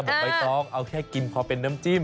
ใบตองเอาแค่กินพอเป็นน้ำจิ้ม